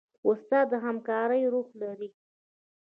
استاد د همکارۍ روح لري.